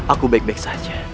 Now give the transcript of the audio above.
aku baik baik saja